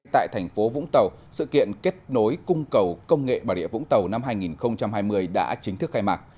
tại thành phố vũng tàu sự kiện kết nối cung cầu công nghệ bà địa vũng tàu năm hai nghìn hai mươi đã chính thức khai mạc